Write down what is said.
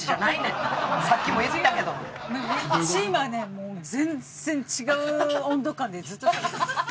もう全然違う温度感でずっとしゃべってましたよ。